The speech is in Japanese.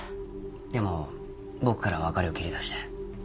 でも僕から別れを切り出して。